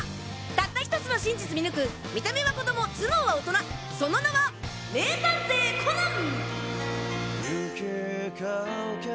たった１つの真実見抜く見た目は子供頭脳は大人その名は名探偵コナン！